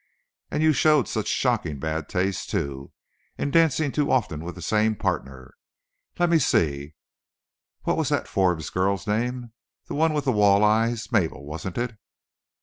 And you showed such shocking bad taste, too, in dancing too often with the same partner. Let me see, what was that Forbes girl's name—the one with wall eyes—Mabel, wasn't it?"